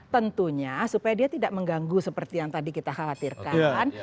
tentunya supaya dia tidak mengganggu seperti yang tadi kita khawatirkan